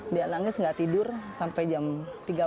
dia nangis nggak tidur sampai jam tiga belas